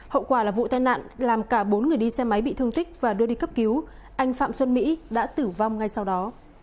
hậu quả là vụ tai nạn làm cả bốn người đi xe máy bị thương tích và đưa đi cấp cứu anh phạm xuân mỹ đã tử vong ngay sau đó